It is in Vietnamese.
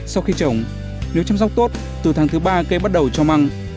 sau khi trồng nếu chăm sóc tốt từ tháng thứ ba cây bắt đầu cho măng